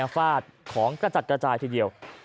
ฟาดของกระจัดกระจายทีเดียว